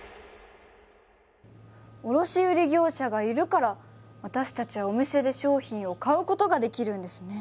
卸売業者がいるから私たちはお店で商品を買うことができるんですね。